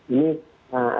ini ada jaminan